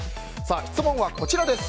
質問はこちらです。